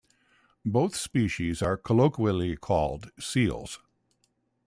Both species are often colloquially called "seals".